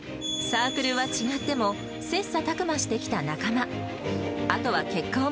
サークルは違っても、せっさ琢磨してきた仲間。